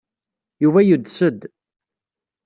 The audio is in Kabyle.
Yuba yudes-d.